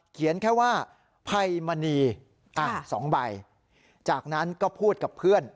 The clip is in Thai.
เขียนแค่ว่าภัยมณี๒ใบจากนั้นก็พูดกับเพื่อน